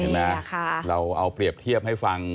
นี่เห็นมั้ยเราเอาเปรียบเทียบให้ฟัง